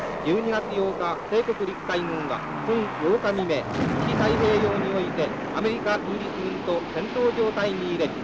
１２月８日帝国陸海軍は本８日未明西太平洋においてアメリカイギリス軍と戦闘状態に入れり。